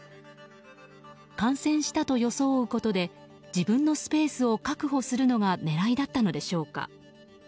感染したと装うことで自分のスペースを確保するのが狙いだったのでしょうか。